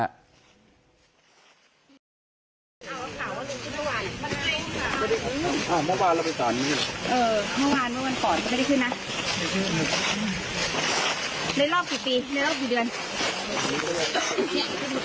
อ่าฟังลุงผลกันอ่าพูดทั้งแค่ทั้งห้องเขาก็เก็บอะไรเก็บหมดแล้ว